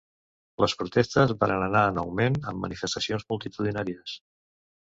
Les protestes varen anar en augment, amb manifestacions multitudinàries.